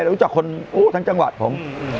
รู้จักคนทั้งจังหวัดผม